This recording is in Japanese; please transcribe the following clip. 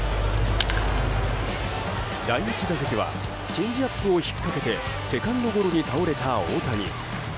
第１打席はチェンジアップを引っかけてセカンドゴロに倒れた大谷。